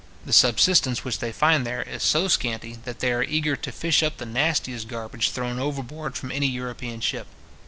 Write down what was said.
The subsistence which they find there is so scanty, that they are eager to fish up the nastiest garbage thrown overboard from any European ship.